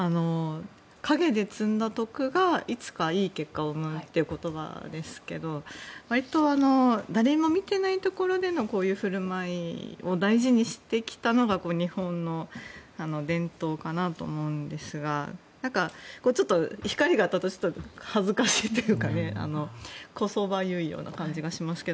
陰で積んだ徳がいつかいい結果を生むという言葉ですがわりと誰も見ていないところでのこういう振る舞いを大事にしてきたのが日本の伝統かなと思うんですがちょっと、光が当たった時恥ずかしいというかこそばゆいような感じがしますが。